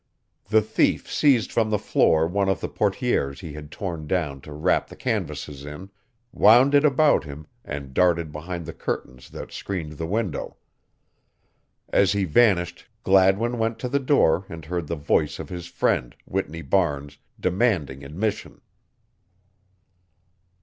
The thief seized from the floor one of the portières he had torn down to wrap the canvases in, wound it about him and darted behind the curtains that screened the window. As he vanished Gladwin went to the door and heard the voice of his friend, Whitney Barnes, demanding admission.